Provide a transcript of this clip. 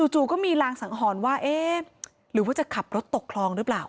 จู่ก็มีรางสังหรณ์ว่าเอ๊ะหรือว่าจะขับรถตกคลองหรือเปล่า